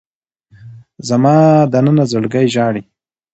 زما دننه زړګی ژاړي